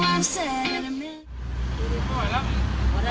เอาเบี้ยช้า๒ขวด